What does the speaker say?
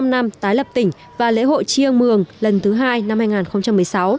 một mươi năm năm tái lập tỉnh và lễ hội chiêng mường lần thứ hai năm hai nghìn một mươi sáu